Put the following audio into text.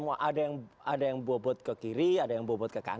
ada yang bobot ke kiri ada yang bobot ke kanan